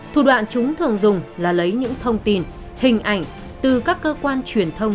thủ đoạn chúng thường dùng là lấy những thông tin hình ảnh từ các cơ quan truyền thông